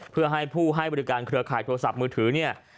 เพื่อให้ผู้ให้บริการเครือข่ายโทรศัพท์มือถือเนี่ย